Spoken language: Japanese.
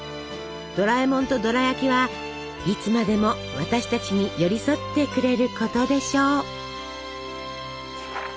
ドラえもんとドラやきはいつまでも私たちに寄り添ってくれることでしょう。